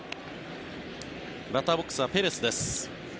バッターボックスはペレスです。